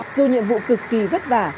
dù nhiệm vụ cực kỳ vất vả